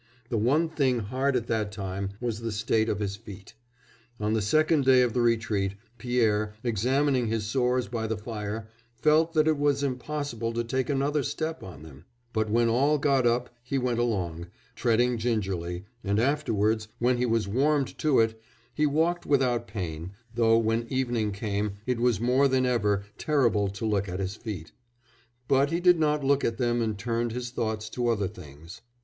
The one thing hard at that time was the state of his feet. On the second day of the retreat, Pierre, examining his sores by the fire, felt that it was impossible to take another step on them; but when all got up he went along, treading gingerly, and afterwards, when he was warmed to it, he walked without pain, though when evening came it was more than ever terrible to look at his feet. But he did not look at them and turned his thoughts to other things....